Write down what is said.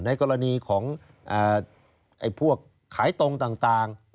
ในกรณีของพวกขายตรงต่าง